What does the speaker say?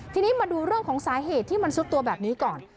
ทีนี้มาดูเรื่องของสาเหตุที่มันซุดตัวแบบนี้ก่อน